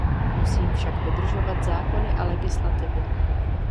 Musím však dodržovat zákony a legislativu.